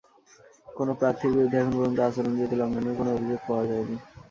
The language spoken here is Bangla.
কোনো প্রার্থীর বিরুদ্ধে এখন পর্যন্ত আচরণবিধি লঙ্ঘনের কোনো অভিযোগ পাওয়া যায়নি।